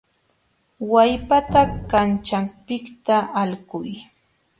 Wallpata kanćhanpiqta alquy.